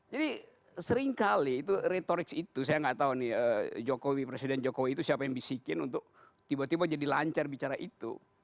jadi seringkali itu retorik itu saya enggak tahu nih jokowi presiden jokowi itu siapa yang bisikin untuk tiba tiba jadi lancar bicara itu